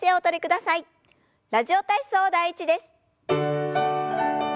「ラジオ体操第１」です。